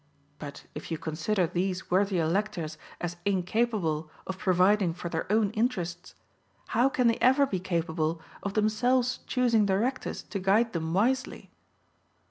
But if you consider these worthy electors as incapable of providing for their own interests, how can they ever be capable of themselves choosing directors to guide them wisely?